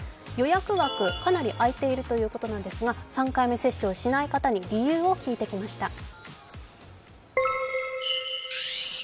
予約枠、かなり空いているということなんですが、３回目接種をしない方に理由を聞いてきました。